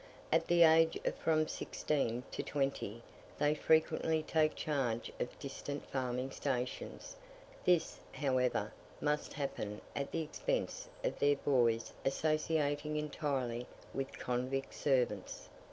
At the age of from sixteen to twenty, they frequently take charge of distant farming stations. This, however, must happen at the expense of their boys associating entirely with convict servants.